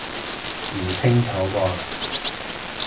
唔清楚喎